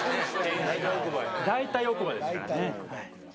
大体、奥歯ですからね。